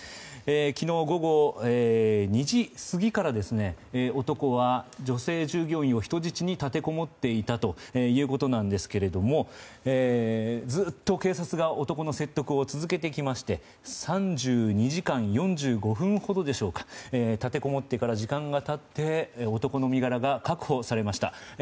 昨日午後２時過ぎから男は、女性従業員を人質に立てこもっていたということですがずっと警察が男の説得を続けてきまして３２時間４５分ほどでしょうか立てこもってから時間が経って男の身柄が確保されました。